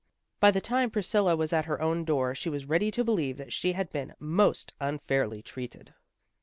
By the time Priscilla was at her own door she was ready to believe that she had been most un fairly treated.